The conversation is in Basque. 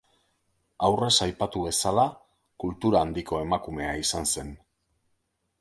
Aurrez aipatu bezala, kultura handiko emakumea izan zen.